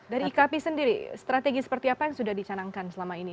dari ikp sendiri strategi seperti apa yang sudah dicanangkan selama ini